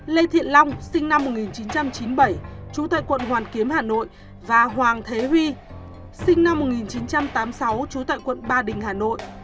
lê thiện long sinh năm một nghìn chín trăm chín mươi bảy trú tại quận hoàn kiếm hà nội và hoàng thế huy sinh năm một nghìn chín trăm tám mươi sáu trú tại quận ba đình hà nội